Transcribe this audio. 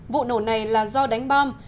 vụ nổ này là do đánh bom